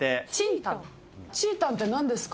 チータンってなんですか？